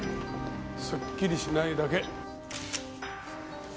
すっきりしないだけ。